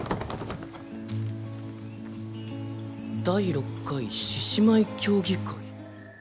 第６回、獅子舞競技会。